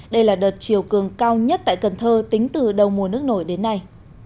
đây là đợt chiều cường cao nhất tại cần thơ tính từ đầu mùa nước nổi đến nay